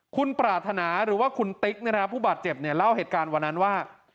คุณปรารถนาหรือว่าคุณติ๊กผู้บาดเจ็บเนี่ยเล่าเหตุการณ์วันนั้นว่า